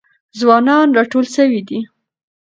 ځوانان راټول سوي دي.